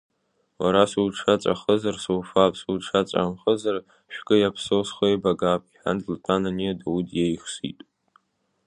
Уара суҿаҵахәызар, суфап, суҿаҵахәымзар, шәкы иаԥсоу схы еибагап, — иҳәан длатәан ани адау диеихсит.